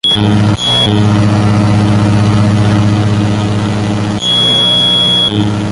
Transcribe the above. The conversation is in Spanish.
El show se centraba en las desventuras de un grupo de afroamericanos en Harlem.